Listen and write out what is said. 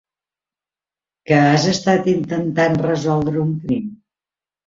Que has estat intentant resoldre un crim?